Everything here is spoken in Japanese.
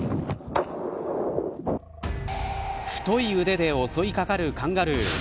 太い腕で襲いかかるカンガルー。